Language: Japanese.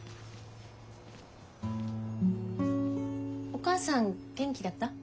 お義母さん元気だった？